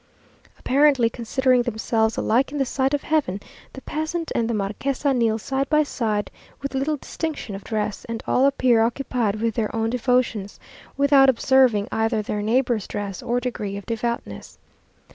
Apparently considering themselves alike in the sight of Heaven, the peasant and the marquesa kneel side by side, with little distinction of dress; and all appear occupied with their own devotions, without observing either their neighbour's dress or degree of devoutness.